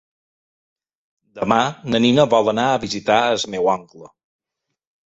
Demà na Nina vol anar a visitar mon oncle.